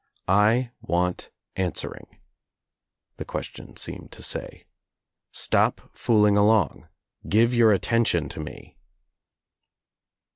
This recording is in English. "I want answering," the question seemed to say. "Stop fooling along. Give your attention to me."